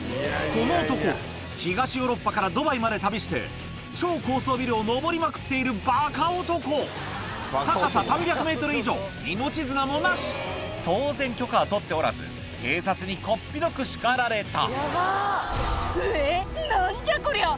この男東ヨーロッパからドバイまで旅して超高層ビルを上りまくっているバカ男命綱もなし当然許可は取っておらず警察にこっぴどく叱られた「うえぇ何じゃこりゃ！